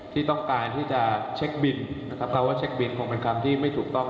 ที่ต้องการที่จะเช็คบินนะครับคำว่าเช็คบินคงเป็นคำที่ไม่ถูกต้อง